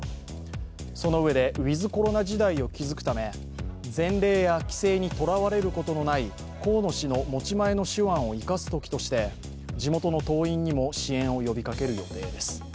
そのうえで、ウィズ・コロナ時代を築くため前例や規制にとらわれることのない河野氏の持ち前の手腕を生かす時として、地元の党員にも支援を呼びかける予定です。